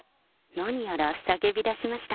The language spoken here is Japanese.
何やら、叫びだしました。